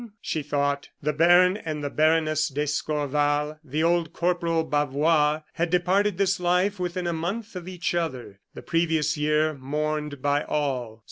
she thought. The Baron and the Baroness d'Escorval, and old Corporal Bavois had departed this life within a month of each other, the previous year, mourned by all.